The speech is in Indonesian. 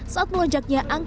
saat melonjaknya angka penyakit